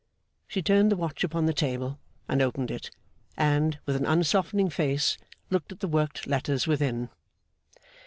She turned the watch upon the table, and opened it, and, with an unsoftening face, looked at the worked letters within.